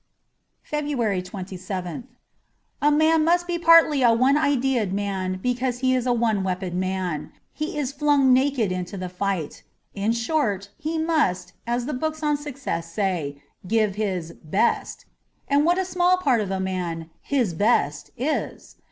'' 62 FEBRUARY 27th A MAN must be partly a one idead man because he is a one weaponed man — and he is flung naked into the fight. In short, he must (as the books on Success say) give * his best '; and what a small part of a man * his best ' is